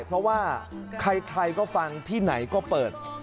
เพราะว่าใครก็ฟังที่ไหนก็เปิด